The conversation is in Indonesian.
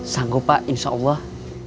sanggup pak insya allah